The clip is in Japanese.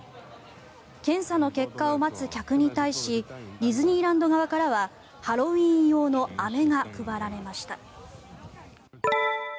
検査の結果を待つ客に対しディズニーランド側からはハロウィーン用のアメが配られました。